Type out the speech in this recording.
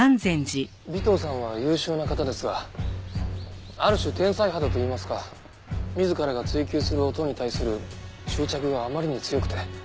尾藤さんは優秀な方ですがある種天才肌と言いますか自らが追求する音に対する執着があまりに強くて。